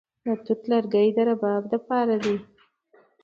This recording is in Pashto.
د توت لرګي د رباب لپاره دي.